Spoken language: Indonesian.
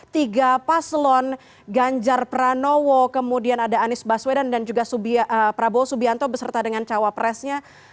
tiga paslon ganjar pranowo kemudian ada anies baswedan dan juga prabowo subianto beserta dengan cawapresnya